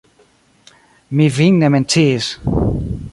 Mi vin ne menciis.